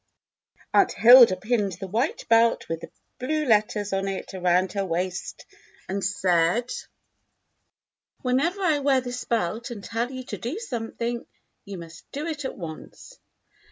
Aunt Hilda pinned the white belt with the blue letters on it around her waist and said, "WTienever THE LITTLE GAYS 87 I wear this belt and tell you to do something, you must do it at once."